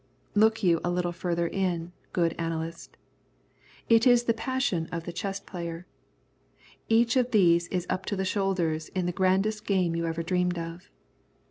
Look you a little further in, good analyst. It is the passion of the chess player. Each of these is up to the shoulders in the grandest game you ever dreamed of.